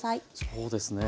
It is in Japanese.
そうですね。